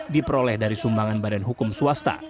diperoleh dari sumbangan badan hukum swasta